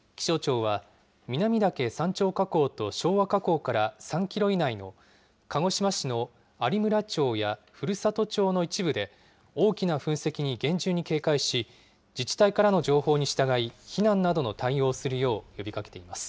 気象庁は、南岳山頂火口と昭和火口から３キロ以内の鹿児島市の有村町や古里町の一部で、大きな噴石に厳重に警戒し、自治体からの情報に従い、避難などの対応をするよう呼びかけています。